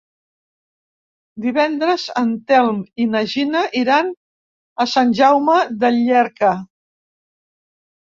Divendres en Telm i na Gina iran a Sant Jaume de Llierca.